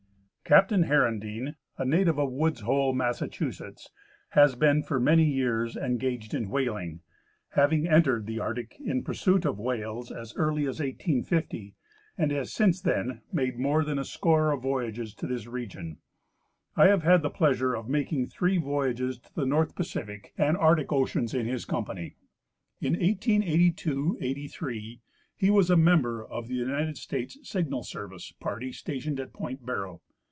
Captain Herendeen, a native of Woods IIoll, Massachusetts, has been for many years engaged in whaling, having entered the Arctic in pursuit of whales as early as 1850, and has since then made more than 9, score of voyages to this region. I have had the pleasure of making three voyages to the northern Pacific and 78 E. P. Hcrcndeen — An Undiscovered Island. Arctic oceans in his company. In 1882 '83 he was a member of the United States Signal Service party stationed at point Barrow.